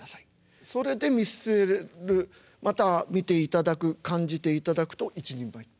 それで見せるまた見ていただく感じていただくと一人前。